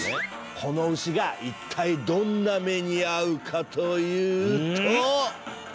この牛が一体どんな目に遭うかというと。